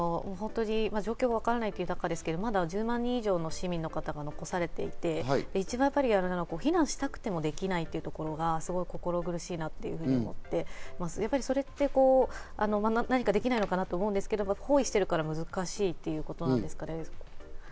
状況がわからない中ですけど、まだ１０万人以上の市民の方が残されていて、避難したくてもできないというところが心苦しいなと思っていて、それって何かできないのかなと思うんですけど、包囲してるから難しいということなんですかね？